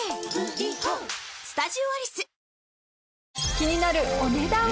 気になるお値段は。